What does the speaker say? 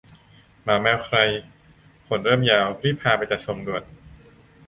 หมาแมวใครขนเริ่มยาว รีบพาไปจัดทรงด่วน